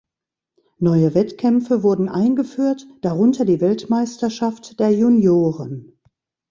Neue Wettkämpfe wurden eingeführt, darunter die Weltmeisterschaft der Junioren.